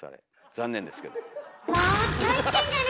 残念ですけど。